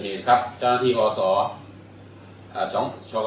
อันนี้มีเหตุการณ์ล้อมธรรมิเหตุครั้งหนึ่ง